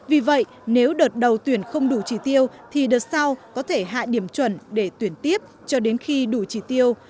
vì vậy nếu đợt đầu tuyển không đủ trì tiêu thì đợt sau có thể hạ điểm chuẩn để tuyển tiếp cho đến khi đủ trì tiêu